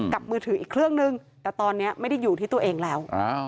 มือถืออีกเครื่องนึงแต่ตอนนี้ไม่ได้อยู่ที่ตัวเองแล้ว